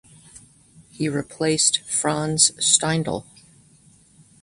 He replaced Franz Steindl.